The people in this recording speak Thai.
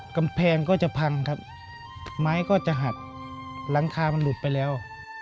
กำแพงก็จะพังครับไม้ก็จะหักหลังคามันหลุดไปแล้ว